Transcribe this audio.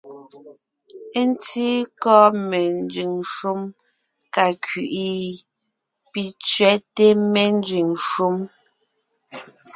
Ńtíí kɔ́ menzẅìŋ shúm ka kẅí’i ? Pì tsẅɛ́té ménzẅìŋ shúm.